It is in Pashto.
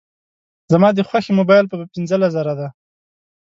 زما د خوښي موبایل په پینځلس زره دی